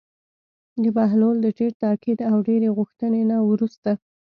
د بهلول د ډېر تاکید او ډېرې غوښتنې نه وروسته.